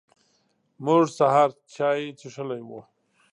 موږ سهار چای څښلی و.